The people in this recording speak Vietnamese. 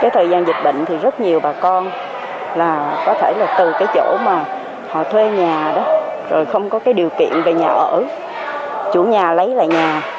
từ cái chỗ mà họ thuê nhà đó rồi không có cái điều kiện về nhà ở chủ nhà lấy lại nhà